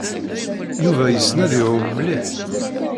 Yuba yessen ad iɛum mliḥ.